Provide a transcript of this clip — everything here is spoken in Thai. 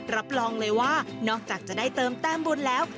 รับรองเลยว่านอกจากจะได้เติมแต้มบุญแล้ว